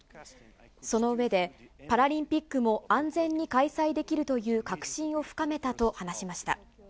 その上で、パラリンピックも安全に開催できるという確信を深めたと話しました。